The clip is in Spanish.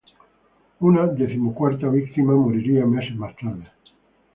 Una decimocuarta víctima moriría meses más tarde.